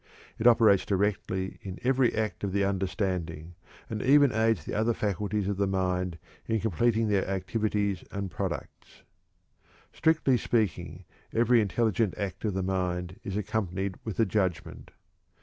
It operates directly in every act of the understanding, and even aids the other faculties of the mind in completing their activities and products. Strictly speaking, every intelligent act of the mind is accompanied with a judgment.